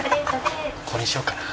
これにしようかな。